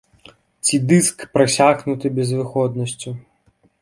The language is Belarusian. Ці дыск, прасякнуты безвыходнасцю.